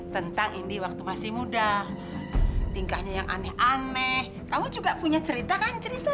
tentang ini waktu masih muda tingkahnya yang aneh aneh kamu juga punya cerita kan cerita